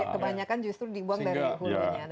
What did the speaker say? kebanyakan justru dibuang dari hulunya